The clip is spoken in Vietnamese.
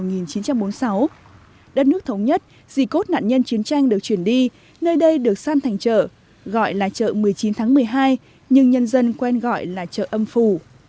ngày một mươi chín tháng một mươi hai năm một nghìn chín trăm bốn mươi sáu đất nước thống nhất dì cốt nạn nhân chiến tranh được chuyển đi nơi đây được san thành chợ gọi là chợ một mươi chín tháng một mươi hai nhưng nhân dân quen gọi là chợ âm phù